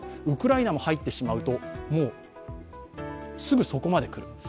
ウクライナも入ってしまうともうすぐそこまで来る。